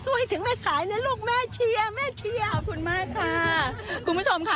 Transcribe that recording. ให้ถึงแม่สายนะลูกแม่เชียร์แม่เชียร์ขอบคุณมากค่ะคุณผู้ชมค่ะ